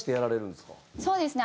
そうですね。